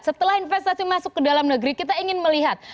setelah investasi masuk ke dalam negeri kita ingin melihat